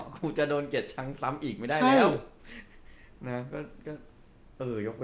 ครูจะโดนเกลียดชังซ้ำอีกไม่ได้แล้วนะ